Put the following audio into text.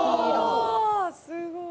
すごい。